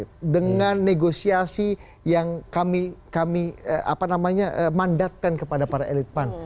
keputusan eli dengan negosiasi yang kami apa namanya mandatkan kepada para elit pan